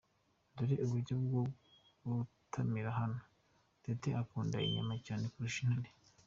Dore uburyo bwo gutamira hano!!! Tete akunda inyama cyane kurusha intare! .